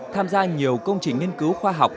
tham gia nhiều công trình nghiên cứu khoa học